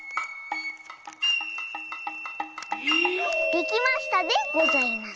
できましたでございます。